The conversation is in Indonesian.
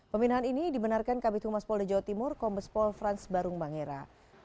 pemindahan ini dibenarkan kabupaten humas polda jawa timur kombespol fransbarung bangera